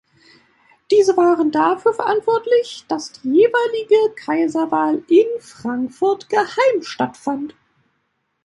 Diese waren dafür verantwortlich, dass die jeweilige Kaiserwahl in Frankfurt geheim stattfand.